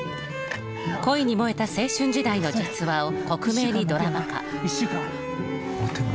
恋に燃えた青春時代の実話を、克明にドラマ化。